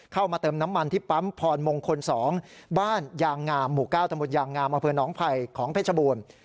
เข้ามาเติมน้ำมันที่ปั๊มพรมงคล๒บ้านยางงามหมู่๙ตมยางงามอำเภอหนองไผ่ของเพชรบูรณ์